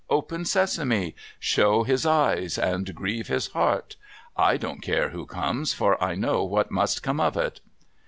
' Open Sesame ! Show his eyes and grieve his heart I I don't care who comes, for I know what must come of it